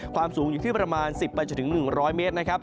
ความสูงอยู่ที่ประมาณ๑๐ไปจนถึง๑๐๐เมตรนะครับ